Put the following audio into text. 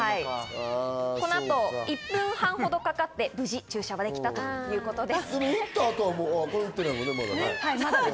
この後、１分半ほどかかって無事注射ができたということです。